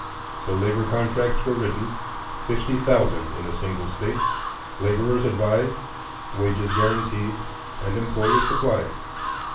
So labor contracts were written,—fifty thousand in a single State,—laborers advised, wages guaranteed, and employers supplied.